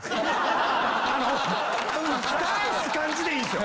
吹かす感じでいいんですよ。